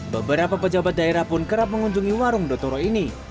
beberapa pejabat daerah pun kerap mengunjungi warung dotoro ini